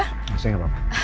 masih gak apa apa